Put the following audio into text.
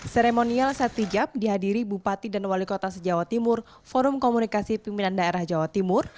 seremonial satijab dihadiri bupati dan wali kota se jawa timur forum komunikasi pimpinan daerah jawa timur